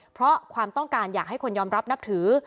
เพราะความต้องการอยากให้คนยอมรับนับถือ